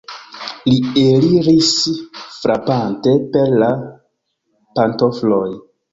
Li eliris, frapante per la pantofloj.